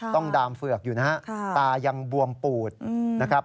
ดามเฝือกอยู่นะฮะตายังบวมปูดนะครับ